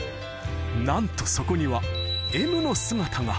なんとそこには、Ｍの姿が。